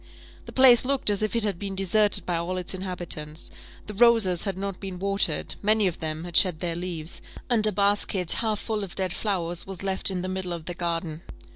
The place looked as if it had been deserted by all its inhabitants: the roses had not been watered, many of them had shed their leaves; and a basket half full of dead flowers was left in the middle of the garden.